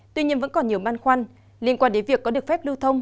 tuy nhiên vẫn còn nhiều băn khoăn liên quan đến việc có được phép lưu thông